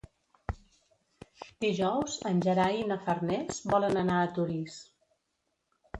Dijous en Gerai i na Farners volen anar a Torís.